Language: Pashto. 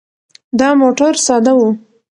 دا موټر ساده و.